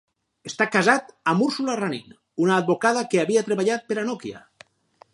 Està casat amb Ursula Ranin, una advocada que havia treballat per a Nokia.